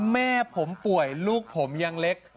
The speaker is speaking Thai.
แม่ผมป่วยลูกผมยังเล็ก